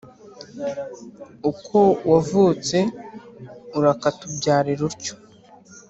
uko wavutse urakatubyarira utyo.